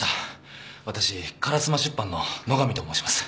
私烏丸出版の野上と申します。